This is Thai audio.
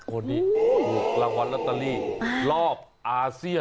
คนนี้ถูกรางวัลลอตเตอรี่รอบอาเซียน